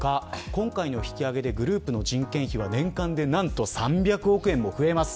今回の引き上げでグループの人件費は年間で３００億円増えます。